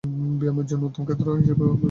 ব্যায়ামের জন্যেও উত্তম ক্ষেত্র হিসেবে বিবেচিত।